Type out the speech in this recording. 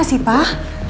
kemana sih pak